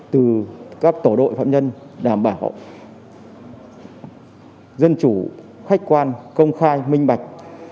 từ các tổ đội phạm nhân đảm bảo dân chủ khách quan công khai minh bạch